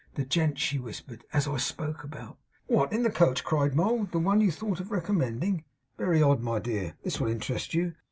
The gent,' she whispered, 'as I spoke about.' 'What, in the coach!' cried Mould. 'The one you thought of recommending? Very odd. My dear, this will interest you.